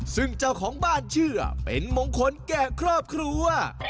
ซึ่งเจ้าของบ้านเชื่อเป็นมงคลแก่ครอบครัว